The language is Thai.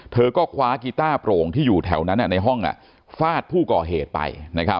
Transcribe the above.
เธอก็คว้ากีต้าโปร่งที่อยู่แถวนั้นในห้องฟาดผู้ก่อเหตุไป